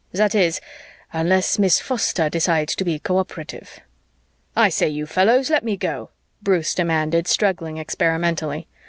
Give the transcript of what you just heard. That is, unless Miss Foster decides to be cooperative." "I say, you fellows, let me go," Bruce demanded, struggling experimentally.